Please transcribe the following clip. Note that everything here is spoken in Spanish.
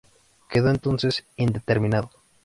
Quedó entonces indeterminado.